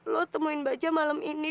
lo temuin bajak malem ini